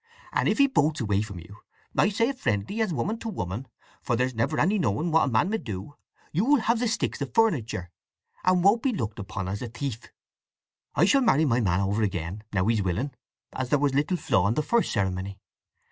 And if he bolts away from you—I say it friendly, as woman to woman, for there's never any knowing what a man med do—you'll have the sticks o' furniture, and won't be looked upon as a thief. I shall marry my man over again, now he's willing, as there was a little flaw in the first ceremony.